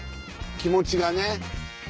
気持ちがね。